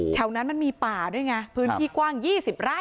แถวนั้นมันมีป่าด้วยไงพื้นที่กว้าง๒๐ไร่